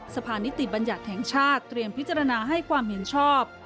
สภานิติบัญญัติแห่งชาติเตรียมพิจารณาให้ความเห็นชอบ